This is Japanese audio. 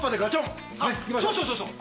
あっそうそうそうそう。